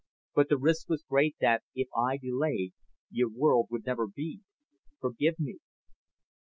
But the risk was great that, if I delayed, your world would never be. Forgive me."